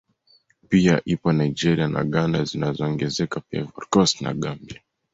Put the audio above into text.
Pia ipo Nigeria na Ghana zinaongezeka pia Ivory Cost na Gambia